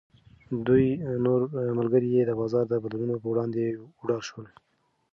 دوه نور ملګري یې د بازار د بدلونونو په وړاندې وډار شول.